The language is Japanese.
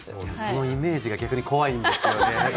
そのイメージが逆に怖いんですよね。